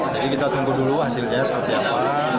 jadi kita tunggu dulu hasilnya seperti apa